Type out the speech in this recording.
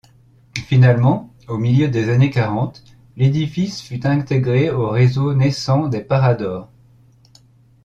Finalement, au milieu des années quarante, l'édifice fut intégré au réseau naissant des Paradors.